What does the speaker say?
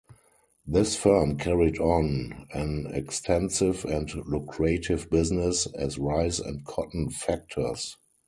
This firm carried on an extensive and lucrative business as rice and cotton factors.